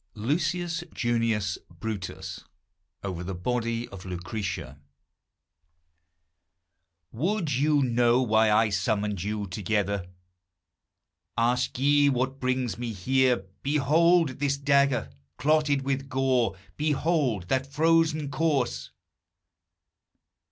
LUCIUS JUNIUS BRUTUS OVER THE BODY OF LUCRETIA. FROM "BRUTUS." Would you know why I summoned you together? Ask ye what brings me here? Behold this dagger, Clotted with gore! Behold that frozen corse!